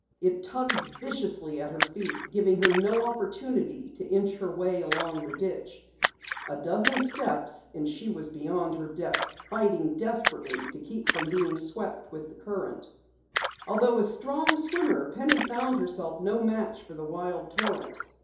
It tugged viciously at her feet, giving her no opportunity to inch her way along the ditch. A dozen steps and she was beyond her depth, fighting desperately to keep from being swept with the current. Although a strong swimmer, Penny found herself no match for the wild torrent.